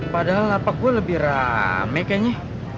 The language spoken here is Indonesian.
padahal lapak gue lebih rame kayaknya